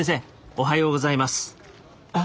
おはようございます。